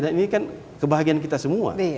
dan ini kan kebahagiaan kita semua